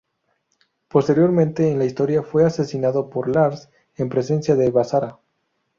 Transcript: Posteriormente en la historia, fue asesinado por "Lars" en presencia de Basara.